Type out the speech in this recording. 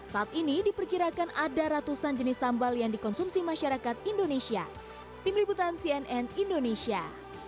saat ini diperkirakan ada ratusan jenis sambal yang dikonsumsi masyarakat indonesia